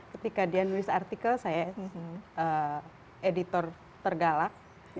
ketika dia nulis artikel saya editor tergalak